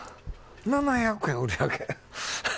７００円売り上げ。